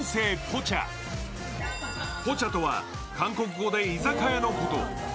ポチャとは韓国語で居酒屋のこと。